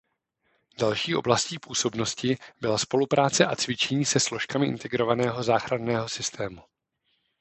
Další oblastí působnosti byla spolupráce a cvičení se složkami integrovaného záchranného systému.